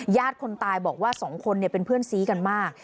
คนตายบอกว่าสองคนเป็นเพื่อนซีกันมาก